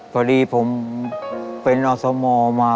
พอดีผมเป็นอสมมา